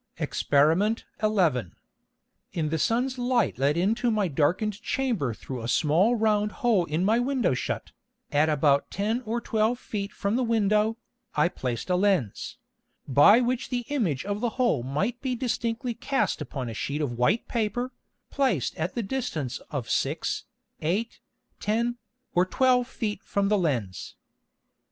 Exper. 11. In the Sun's Light let into my darken'd Chamber through a small round Hole in my Window shut, at about ten or twelve Feet from the Window, I placed a Lens, by which the Image of the Hole might be distinctly cast upon a Sheet of white Paper, placed at the distance of six, eight, ten, or twelve Feet from the Lens.